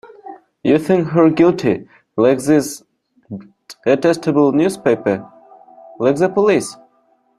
You think her guilty — like this detestable newspaper, like the police.